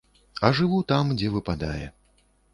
А жыву там, дзе выпадае.